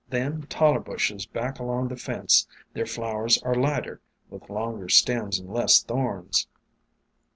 Then taller bushes back along the fence — their flowers are lighter, with longer stems and less thorns.